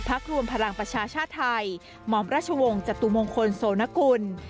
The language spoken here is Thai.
รวมพลังประชาชาติไทยหม่อมราชวงศ์จตุมงคลโสนกุล